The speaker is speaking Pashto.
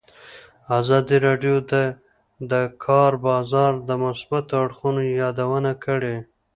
ازادي راډیو د د کار بازار د مثبتو اړخونو یادونه کړې.